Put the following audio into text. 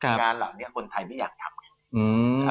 งานเหล่านี้คนไทยไม่อยากทำไง